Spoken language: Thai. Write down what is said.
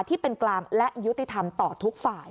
ที่เป็นกลางและยุติธรรมต่อทุกฝ่าย